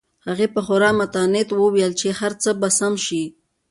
هغې په خورا متانت وویل چې هر څه به سم شي.